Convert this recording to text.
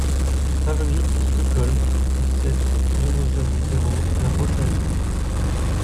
Avenue DE STOCKHOLM, dix-sept, zéro zéro zéro La Rochelle